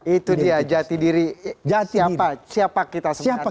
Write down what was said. itu dia jati diri siapa kita semangat